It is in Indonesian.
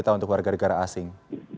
atau untuk warga negara asing